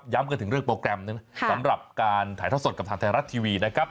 กันถึงเรื่องโปรแกรมหนึ่งสำหรับการถ่ายทอดสดกับทางไทยรัฐทีวีนะครับ